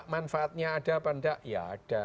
manfaatnya ada apa enggak ya ada